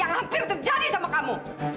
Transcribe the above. yang hampir terjadi sama kamu